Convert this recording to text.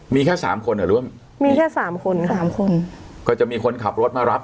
มีแค่สามคนเหรอร่วมมีแค่สามคนสามคนก็จะมีคนขับรถมารับ